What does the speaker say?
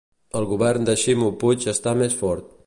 El govern de Ximo Puig està més fort